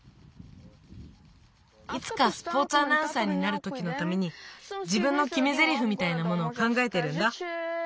いつかスポーツアナウンサーになるときのためにじぶんのきめゼリフみたいなものをかんがえてるんだ。